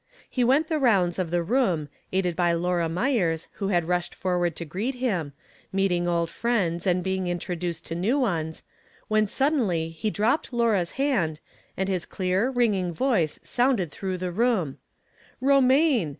He went the rounds of the room, aided by Laura Myers, who had rushed forward to greet him, meeting old friends and being intro duced to new ones, when, suddenly, he dropped Laura's hand, and his clear, ringing voice sounded through the room :" Romaine